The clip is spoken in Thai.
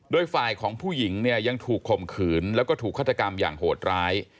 โดยฝ่ายของผู้หญิงเนี่ยยังถูกข่มขืนแล้วก็ถูกฆาตกรรมอย่างโหดร้าย